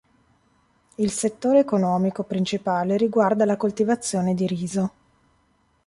Il settore economico principale riguarda la coltivazione di riso.